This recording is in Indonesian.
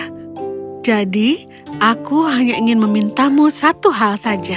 keberadaan tadi aku hanya ingin meminta mu satu hal saja